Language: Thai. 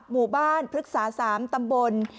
หมู่บ้านพฤกษา๓ตำบล